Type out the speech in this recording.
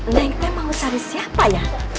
neng teh mau cari siapa ya